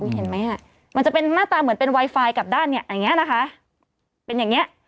เห็นไหมมันจะเป็นหน้าตาเหมือนเป็นไวไฟกับด้านนี้เป็นอย่างนี้